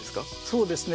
そうですね。